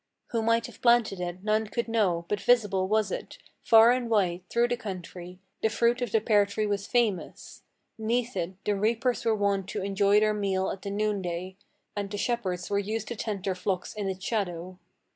Who might have planted it, none could know, but visible was it Far and wide through the country; the fruit of the pear tree was famous. 'Neath it the reapers were wont to enjoy their meal at the noon day, And the shepherds were used to tend their flocks in its shadow.